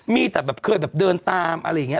มีแบบเครื่องเดินตามอะไรอย่างนี้